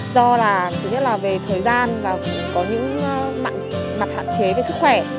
do là thứ nhất là về thời gian và có những mặt hạn chế về sức khỏe